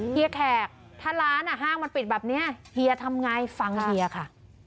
เฮีแขกถ้าร้านห้างมันปิดแบบนี้เฮียทำไงฟังเฮียค่ะ